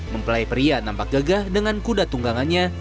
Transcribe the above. mempelai pria nampak gegah dengan kuda tunggangannya